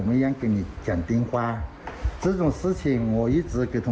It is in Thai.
ไม่รู้สินะฮะจนก็ไม่รู้สินะฮะ